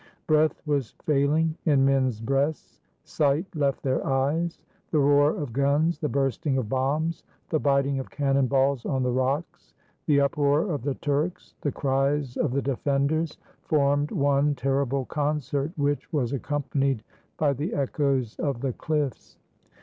Breath was failing in men's breasts; sight left their eyes. The roar of guns, the bursting of bombs, the biting of cannon balls on the rocks, the uproar of the Turks, the cries of the defenders, formed one terrible concert which was accompanied by the echoes of the cliffs.